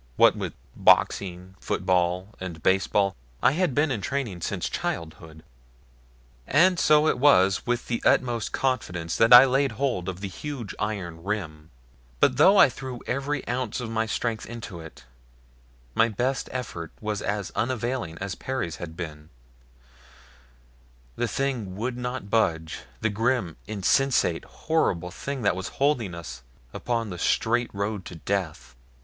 What with boxing, football, and baseball, I had been in training since childhood. And so it was with the utmost confidence that I laid hold of the huge iron rim; but though I threw every ounce of my strength into it, my best effort was as unavailing as Perry's had been the thing would not budge the grim, insensate, horrible thing that was holding us upon the straight road to death!